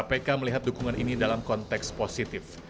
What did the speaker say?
kpk melihat dukungan ini dalam konteks positif